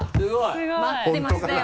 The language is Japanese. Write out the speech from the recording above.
待ってましたよ。